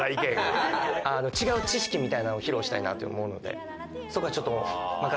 違う知識みたいなのを披露したいなと思うのでそこはちょっと任せたいなと思います。